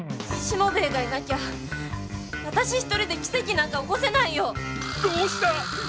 しもべえがいなきゃ私一人で奇跡なんか起こせないよ！